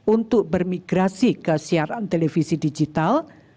untuk bermigrasi kesiaran tv digital